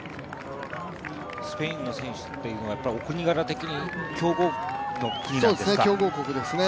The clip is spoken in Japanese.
スペインの選手っていうのはお国柄的に強い国なんですか？